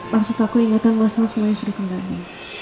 maksud aku ingatan masalah semuanya sudah kembali